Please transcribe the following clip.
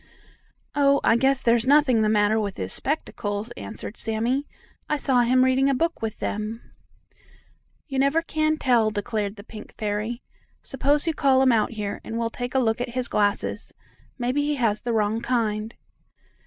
"Oh, I guess there's nothing the matter with his spectacles," answered Sammie. "I saw him reading a book with them." "You never can tell," declared the pink fairy. "Suppose you call him out here, and we'll take a look at his glasses. Maybe he has the wrong kind."